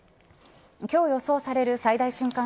今日予想される最大瞬間